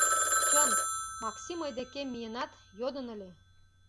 Чын, Макси мый декем миенат, йодын ыле.